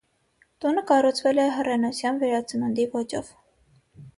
Տունը կառուցվել է հռենոսյան վերածնունդի ոճով։